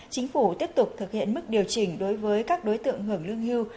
chính phủ tiếp tục thực hiện mức điều chỉnh đối với các đối tượng hưởng lương hưu